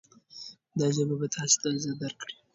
دا ژبه به تاسې ته عزت درکړي.